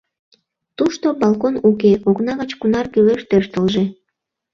Тушто балкон уке — окна гыч кунар кӱлеш тӧрштылжӧ.